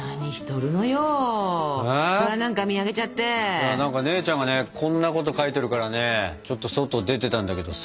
いや何か姉ちゃんがねこんなこと書いてるからねちょっと外出てたんだけどさ。